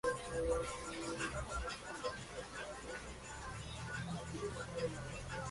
El Parca le llama renegado y no podía acceder a dicha ciudad.